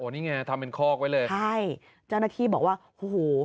นี่ไงทำเป็นคอกไว้เลยใช่เจ้าหน้าที่บอกว่าโอ้โห